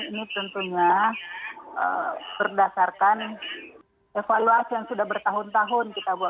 ini tentunya berdasarkan evaluasi yang sudah bertahun tahun kita buat